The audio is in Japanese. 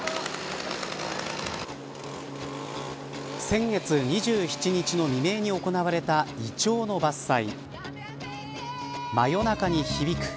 先月２７日の未明に行われたイチョウの伐採。